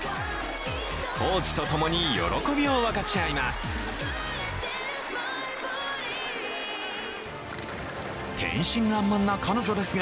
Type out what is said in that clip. コーチと共に喜びを分かち合います。